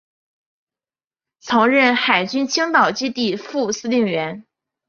曾任海军青岛基地副司令员。